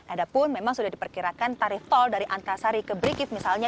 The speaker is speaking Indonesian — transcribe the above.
adapun memang sudah diperkirakan tarif tol dari antrasari ke brigif misalnya